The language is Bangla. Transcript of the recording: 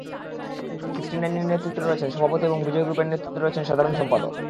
সিক্সটি নাইনের নেতৃত্বে রয়েছেন সভাপতি এবং বিজয় গ্রুপের নেতৃত্বে রয়েছেন সাধারণ সম্পাদক।